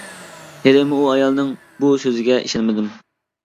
ھېلىمۇ ئۇ ئايالنىڭ بۇ سۆزىگە ئىشەنمىدىم.